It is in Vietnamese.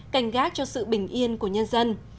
cảnh gác cho sự bình yên của nhân dân